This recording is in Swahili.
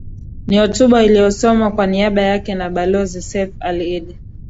Ni hotuba iliyosomwa kwa niaba yake na Balozi Seif Ali Iddi